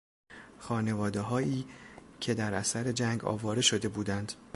خانوادههایی که در اثر جنگ آواره شده بودند